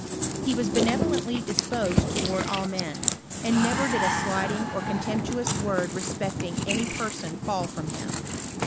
He was benevolently disposed towards all men, and never did a slighting or contemptuous word respecting any person fall from him.